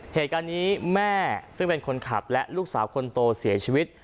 เหตุการณ์นี้แม่ซึ่งเป็นคนขับและลูกสาวคนโตเสียชีวิต